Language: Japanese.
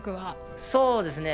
そうですね。